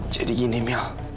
jadi gini mil